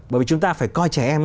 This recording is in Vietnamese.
bởi vì chúng ta phải coi trẻ em